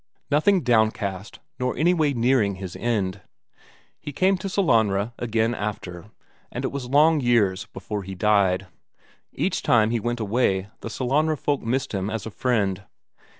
Nothing downcast nor anyway nearing his end; he came to Sellanraa again after, and it was long years before he died. Each time he went away the Sellanraa folk missed him as a friend.